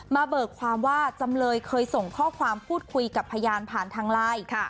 เบิกความว่าจำเลยเคยส่งข้อความพูดคุยกับพยานผ่านทางไลน์